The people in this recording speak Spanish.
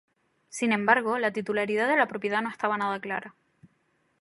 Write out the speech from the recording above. Sin embargo, la titularidad de la propiedad no estaba nada clara.